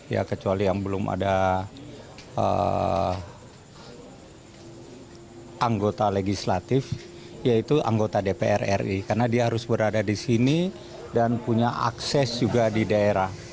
ya kecuali yang belum ada anggota legislatif yaitu anggota dpr ri karena dia harus berada di sini dan punya akses juga di daerah